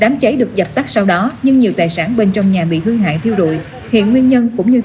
bởi vì những thứ mà cậu ấy đã không nhớ